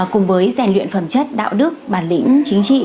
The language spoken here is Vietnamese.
cùng với rèn luyện phẩm chất đạo đức bản lĩnh chính trị